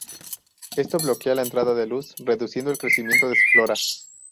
Esto bloquea la entrada de luz reduciendo el crecimiento de su flora.